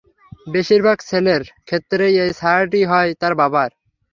বেশিরভাগ ছেলের ক্ষেত্রেই এই ছায়াটি হয় তার বাবার।